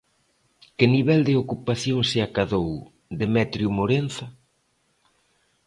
Que nivel de ocupación se acadou, Demetrio Morenza?